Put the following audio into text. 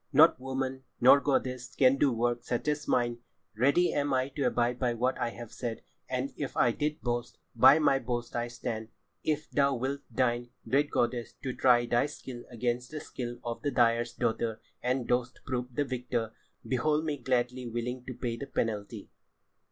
"Not woman, nor goddess, can do work such as mine. Ready am I to abide by what I have said, and if I did boast, by my boast I stand. If thou wilt deign, great goddess, to try thy skill against the skill of the dyer's daughter and dost prove the victor, behold me gladly willing to pay the penalty."